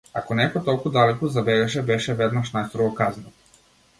Ако некој толку далеку забегаше беше веднаш најстрого казнет.